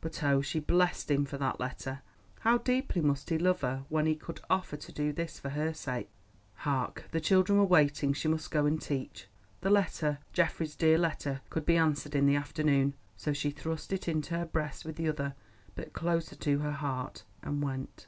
But oh, she blessed him for that letter. How deeply must he love her when he could offer to do this for her sake! Hark! the children were waiting; she must go and teach. The letter, Geoffrey's dear letter, could be answered in the afternoon. So she thrust it in her breast with the other, but closer to her heart, and went.